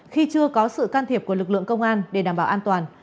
khi chưa có sự can thiệp của lực lượng công an để đảm bảo an toàn